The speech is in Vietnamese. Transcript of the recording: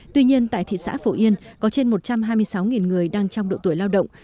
tuy nhiên tại thị xã phổ yên có trên một trăm hai mươi sáu người đang trong độ tuổi lao động